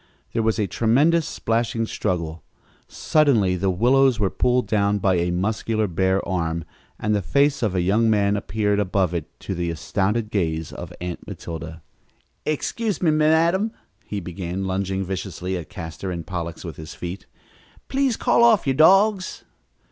There was a tremendous splashing struggle. Suddenly the willows were pulled down by a muscular bare arm, and the face of a young man appeared above it to the astounded gaze of Aunt Matilda. "Excuse me, madam," he began, lunging viciously at Castor and Pollux with his feet. "Please call off your dogs."